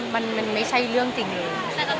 มันไม่ใช่เรื่องจริงเลย